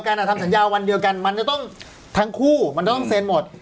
ทำสัญญาวันเดียวกันมันจะต้องทั้งคู่มันต้องเซ็นหมด